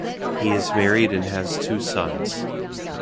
He is married and has two sons.